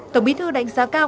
tổng bí thư đánh giá cao